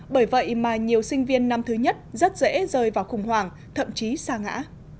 bởi vậy mà nhiều sinh viên năm thứ nhất rất dễ rơi vào khủng hoảng thậm chí xa ngã